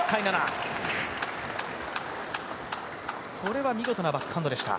これは見事なバックハンドでした。